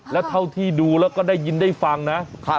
แล้วเท่าที่ดูแล้วก็ได้ยินได้ฟังนะ